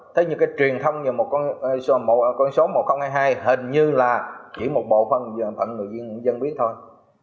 thế nhưng cái truyền thông về một con số một nghìn hai mươi hai hình như là chỉ một bộ phận người dân biết thôi